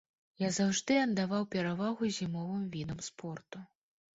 Я заўжды аддаваў перавагу зімовым відам спорту.